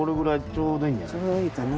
ちょうどいいかな。